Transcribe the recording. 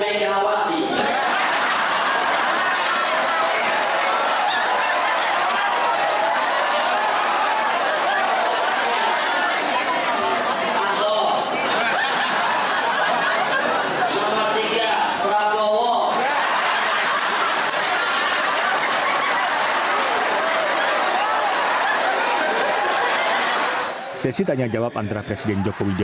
sesi tanya jawab antara presiden joko widodo dan presiden joko widodo